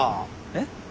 えっ？